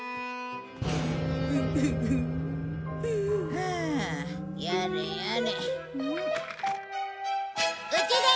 はあやれやれ。